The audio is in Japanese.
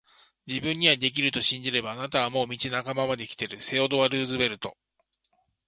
自分にはできると信じれば、あなたはもう道半ばまで来ている～セオドア・ルーズベルト～